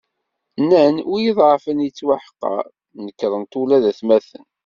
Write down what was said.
Nnan wi iḍeεfen yettweḥqer, nekkren-t ula d atmaten.